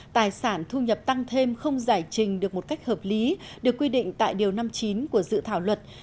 tài sản thu nhập tăng thêm không giải trình được một cách hợp lý được quy định tại điều năm mươi chín của dự thảo luật